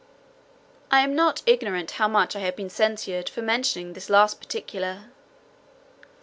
I am not ignorant how much I have been censured for mentioning this last particular.